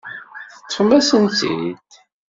Teṭṭfem-asen-tt-id.